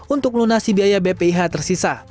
untuk melunasi biaya bpih tersisa